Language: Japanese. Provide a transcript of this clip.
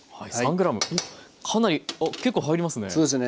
かなり結構入りますね。